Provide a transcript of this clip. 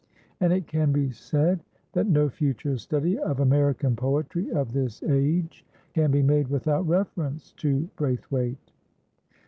And it can be said that no future study of American poetry of this age can be made without reference to Braithwaite.